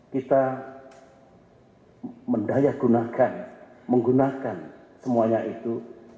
kita mendayakunakan menggunakan semuanya itu